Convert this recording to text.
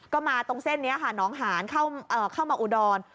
ก็มาตรงเส้นนี้ค่ะน้องหานเข้ามาอุดร